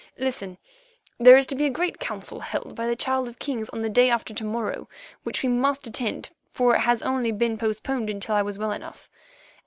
Listen: there is to be a great council held by the Child of Kings on the day after to morrow which we must attend, for it has only been postponed until I was well enough.